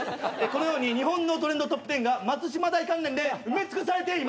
このように日本のトレンドトップ１０が松島大関連で埋め尽くされています！